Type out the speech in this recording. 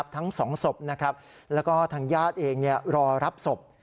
ทั้ง๒ศพแล้วก็ทางญาติเองรอรับศพ